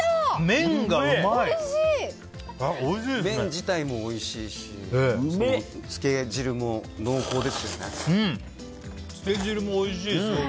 麺自体もおいしいしつけ汁も濃厚ですよね。